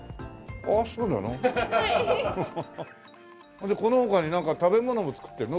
ほんでこの他になんか食べ物も作ってるの？